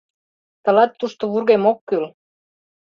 — Тылат тушто вургем ок кӱл.